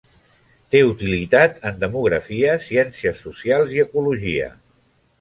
Té utilitat en demografia, ciències socials i ecologia.